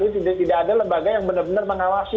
tidak ada lembaga yang benar benar mengawasi